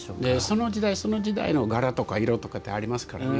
その時代その時代の柄とか色とかってありますからね。